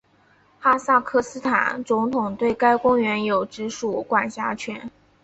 哈萨克斯坦总统对该公园有直属管辖权。